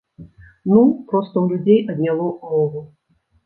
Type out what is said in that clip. Ну, проста ў людзей адняло мову.